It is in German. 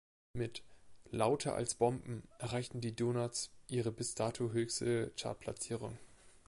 Mit "Lauter als Bomben" erreichten die Donots ihre bis dato höchste Chartplatzierung.